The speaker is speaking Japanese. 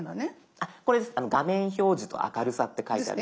あっこれです「画面表示と明るさ」って書いてある。